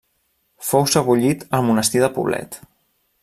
Fou sebollit al monestir de Poblet.